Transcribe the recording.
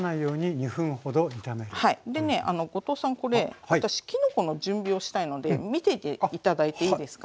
でね後藤さんこれ私きのこの準備をしたいので見ていて頂いていいですか？